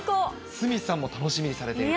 鷲見さんも楽しみにされていると。